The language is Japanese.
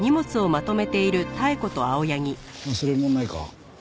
忘れ物ないか？